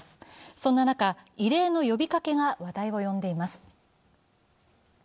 そんな中、異例の呼びかけが話題を呼んでいます。